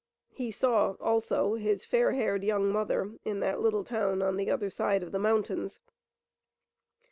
He saw also his fair haired young mother in that little town on the other side of the mountains.